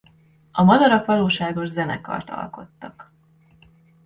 A madarak valóságos zenekart alkottak.